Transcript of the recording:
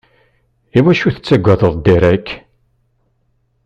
Iwacu tettagadeḍ Derek?